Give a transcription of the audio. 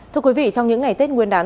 thưa quý vị trong những ngày tết nguyên đán